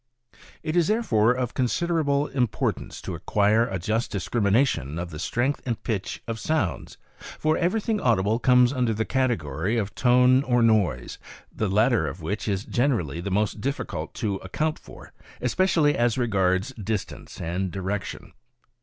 It is therefore of considerable importance to acquire a just discrimination of the strength and pitch of sounds, for everything audible comes under the category of tone or noise, the latter of which is generally the most difficult to account for, especially as regards distance and direction.